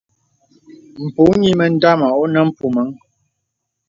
M̄pù nyìmə dāmà onə mpùməŋ.